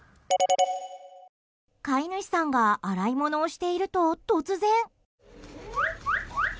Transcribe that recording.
飼い主さんが洗い物をしていると突然。